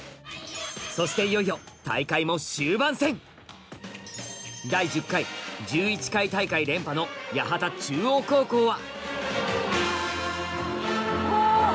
そしていよいよ大会も終盤戦第１０回１１回大会連覇の八幡中央高校は